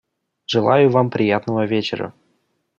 Желаю вам приятного вечера.